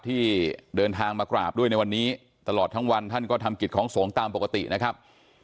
ที่เดินทางมากราบด้วยในวันนี้ตลอดทั้งวันท่านก็ทำกิจของสงฆ์ตามปกตินะครับ